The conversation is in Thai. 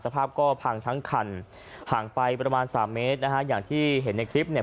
ภาพก็พังทั้งคันห่างไปประมาณสามเมตรนะฮะอย่างที่เห็นในคลิปเนี่ย